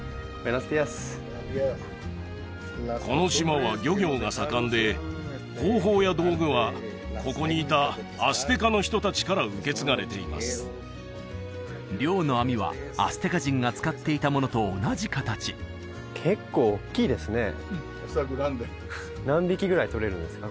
この島は漁業が盛んで方法や道具はここにいたアステカの人達から受け継がれています漁の網はアステカ人が使っていたものと同じ形結構おっきいですね何匹ぐらいとれるんですか？